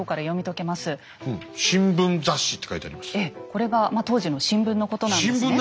これがまあ当時の新聞のことなんですね。